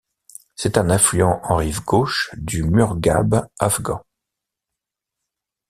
C'est un affluent en rive gauche du Murghab afghan.